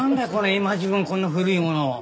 今時分こんな古いもの。